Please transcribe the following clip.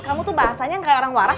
kamu tuh bahasanya yang kayak orang waras